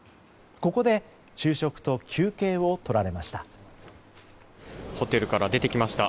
ここで昼食と休憩を取られました。